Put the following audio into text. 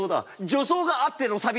助走があってのサビ。